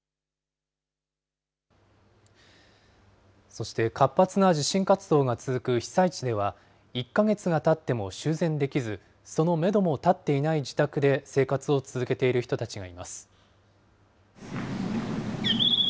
そして活発な地震活動が続く被災地では、１か月がたっても修繕できず、そのメドも立っていない自宅で生活を続けている人たちがいます。